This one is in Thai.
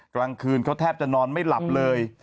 กลางคืนเขาแทบจะนอนไม่หลับเลย